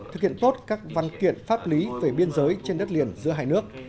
thực hiện tốt các văn kiện pháp lý về biên giới trên đất liền giữa hai nước